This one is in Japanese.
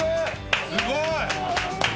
すごい！